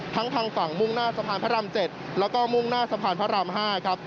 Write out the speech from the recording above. ทั้งทางฝั่งมุ่งหน้าสะพานพระราม๗แล้วก็มุ่งหน้าสะพานพระราม๕ครับ